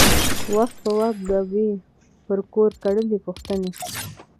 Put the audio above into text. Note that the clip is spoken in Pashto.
وخت په وخت به یې پر کور کړلی پوښتني